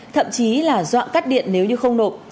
thậm chí là dọa cắt điện nếu như không nộp